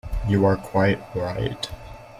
You are quite right.